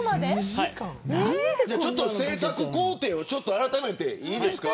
製作工程をあらためて、いいですか。